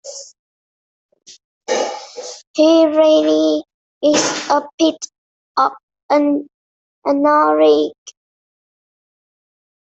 He really is a bit of an anorak